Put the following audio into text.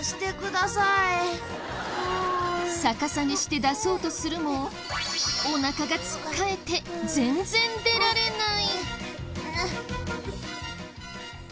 逆さにして出そうとするもお腹がつっかえて全然出られない。